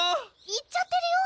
言っちゃってるよ